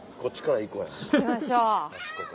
行きましょう。